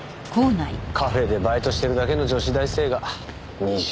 カフェでバイトしてるだけの女子大生が２０万ね。